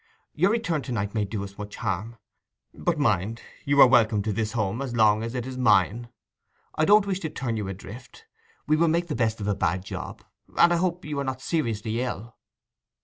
Your return to night may do us much harm. But mind—you are welcome to this home as long as it is mine. I don't wish to turn you adrift. We will make the best of a bad job; and I hope you are not seriously ill?